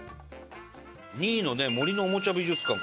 ２位のね森のおもちゃ美術館